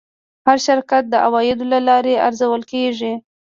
هر شرکت د عوایدو له لارې ارزول کېږي.